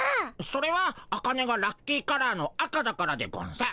それはアカネがラッキーカラーの赤だからでゴンス。